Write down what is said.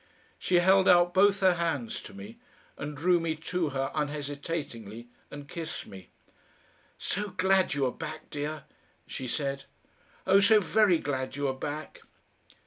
She held out both her hands to me, and drew me to her unhesitatingly and kissed me. "So glad you are back, dear," she said. "Oh! so very glad you are back."